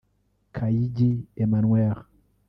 Kayigi Emmanuel